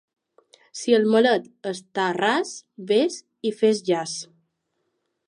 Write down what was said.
Si el Malet està ras, ves i fes jaç.